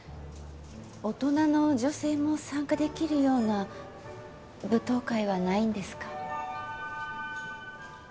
大人の女性も参加できるような舞踏会はないんですか？